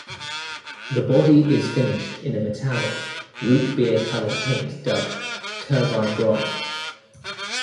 The body is finished in a metallic, root beer-colored paint dubbed "turbine bronze".